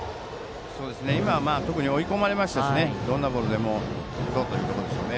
今のは、特に追い込まれましたのでどんなボールでも打とうというところでしょうね。